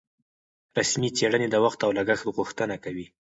رسمي څېړنې د وخت او لګښت غوښتنه کوي.